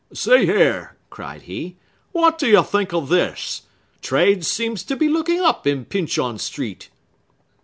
"See here!" cried he; "what do you think of this? Trade seems to be looking up in Pyncheon Street!"